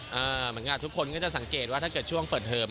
เหมือนกับทุกคนก็จะสังเกตว่าถ้าเกิดช่วงเปิดเทอม